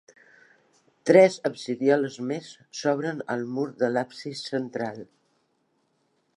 Tres absidioles més s'obren al mur de l'absis central.